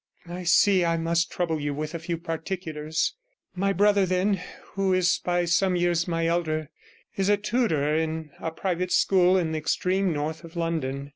'I see I must trouble you with a few particulars. My brother, then, who is by some years my elder, is a tutor in a private school in the extreme north of London.